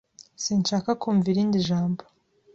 Sinshaka kumva irindi jambo.